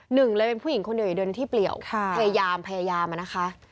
หนึ่งเลยเป็นผู้หญิงคนหนึ่งอยู่เดินที่เปลี่ยวพยายามพยายามอะนะคะ